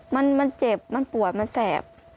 มันเจ็บมันปวดมันแสบ